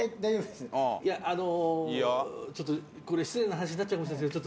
いやあのちょっとこれ失礼な話になっちゃいますけど。